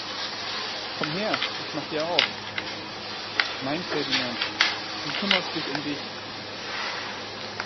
Komm her, ich mach dir auf! Nein Ferdinand, du kümmerst dich um dich!